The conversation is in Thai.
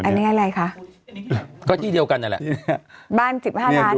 อันนี้อะไรคะก็ที่เดียวกันนั่นแหละบ้านสิบห้าล้าน